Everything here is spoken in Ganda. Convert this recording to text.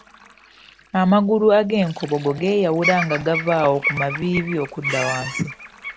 Amagulu ag’enkobogo geeyawula nga gava awo ku maviivi okudda wansi.